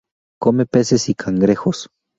Come peces y cangrejos.